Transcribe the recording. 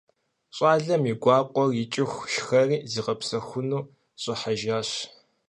Щӏалэм и гуакъуэр икӏыху шхэри зигъэпсэхуну щӏыхьэжащ.